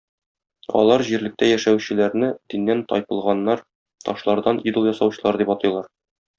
Алар җирлектә яшәүчеләрне диннән тайпылганнар, ташлардан идол ясаучылар дип атыйлар.